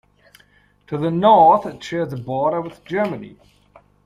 To the north, it shares a border with Germany.